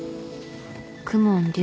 公文竜